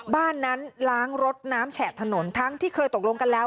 บ้านนั้นล้างรถน้ำแฉะถนนทั้งที่เคยตกลงกันแล้ว